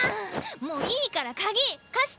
もういいから鍵貸して！